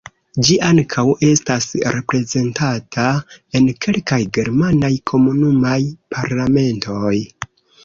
Ĝi ankaŭ estas reprezentata en kelkaj germanaj komunumaj parlamentoj.